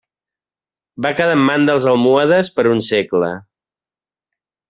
Va quedar en mans dels almohades per un segle.